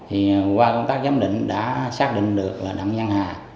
thì qua công tác giám định đã xác định được là đặng văn hà